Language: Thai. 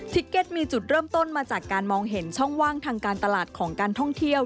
เก็ตมีจุดเริ่มต้นมาจากการมองเห็นช่องว่างทางการตลาดของการท่องเที่ยว